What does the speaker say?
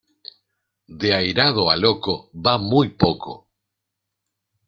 De airado a loco va muy poco.